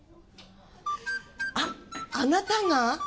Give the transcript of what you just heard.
あっあなたが？